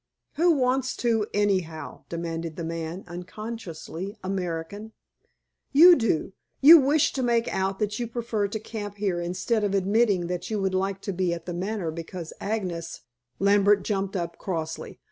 "Who wants to, anyhow?" demanded the man, unconsciously American. "You do. You wish to make out that you prefer to camp here instead of admitting that you would like to be at The Manor because Agnes " Lambert jumped up crossly.